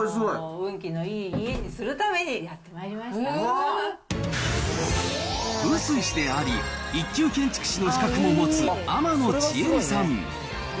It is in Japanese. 運気のいい家にするために、風水師であり、１級建築士の資格も持つ天野千恵里さん。